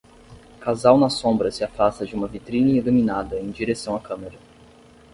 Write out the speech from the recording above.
Casal na sombra se afasta de uma vitrine iluminada em direção à câmera